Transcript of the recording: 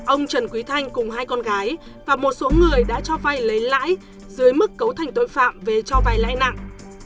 ông trần quý thanh cùng hai con gái và một số người đã cho vay lấy lãi dưới mức cấu thành tội phạm về cho vay lãi nặng